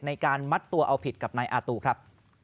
ในการมัดตัวเอาผิดกับนายอาตูครับ